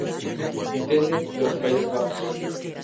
Vitesse de los Países Bajos.